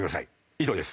以上です。